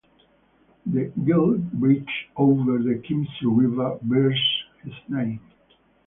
The Gill Bridge over the Kempsey River bears his name.